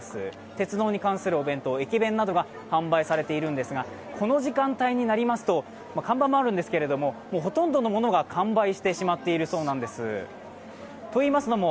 鉄道に関するお弁当、駅弁などが販売されているんですが、この時間帯になりますと完売もあるんですけど、ほとんどが完売してしまっているそうです。